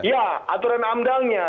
ya aturan amdalnya